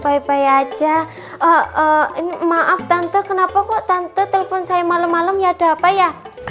baik baik aja maaf tante kenapa kok tante telepon saya malam malam ya ada apa ya